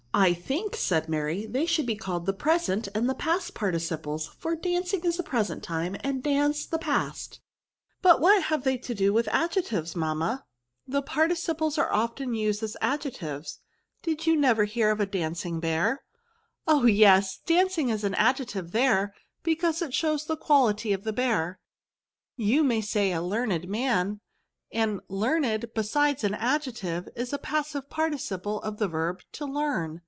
*' I think," said Mary, " they should be called the present and the past participles; for ^ancing is the present time, and danced the past. But what have they to do with adjec tives, mamma?'* " The participles are often used as adjec tives ; did you never hear of a dancing bear ?'* V£RBS. 23S " Oh ! yes ; dancing i{s an adjective there, because it shows the quality oi the bear. You may say also a learned man ; and learned, besides being an adjiective, is the passive par ticiple of the verb to learn.